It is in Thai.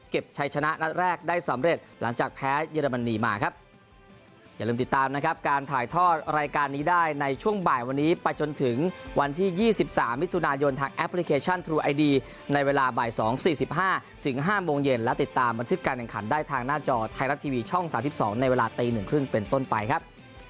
ชัยชนะนัดแรกได้สำเร็จหลังจากแพ้เยอรมนีมาครับ